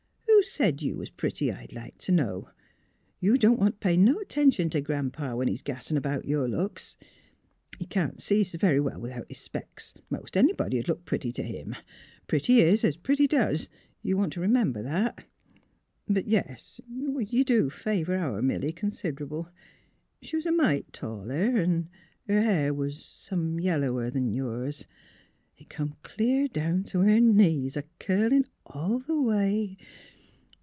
" Who said you was pretty, I'd like t' know? You don't want t' pay no 'tention t' Gran 'pa, when he's gassin* about your looks. ... He can't see s' very well without his specs; most anybody 'd look pretty t' him. ...' Pretty is, as pretty doos '— you want t' remember that. ... But — ^yes; you do favour our Milly consid'able. She was a mite taller, an' her hair was — some yellower 'n yours. It come clear down t' her knees, a curlin' all the way.